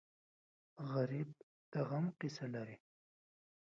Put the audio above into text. غریب د غم قصه لري